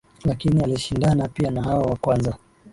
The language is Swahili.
lakini alishindana pia na hao wa kwanza